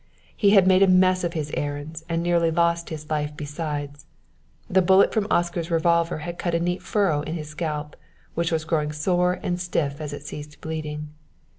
He had made a mess of his errands and nearly lost his life besides. The bullet from Oscar's revolver had cut a neat furrow in his scalp, which was growing sore and stiff as it ceased bleeding.